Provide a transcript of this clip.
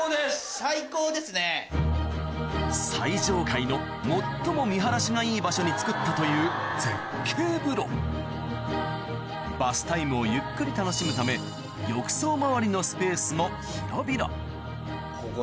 最上階の最も見晴らしがいい場所につくったという絶景風呂バスタイムをゆっくり楽しむためここに。